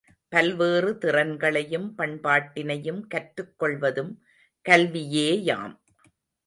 பல்வேறு திறன்களையும் பண்பாட்டினையும் கற்றுக் கொள்வதும் கல்வியேயாம்!